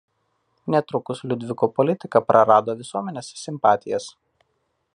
Netrukus Liudviko politika prarado visuomenės simpatijas.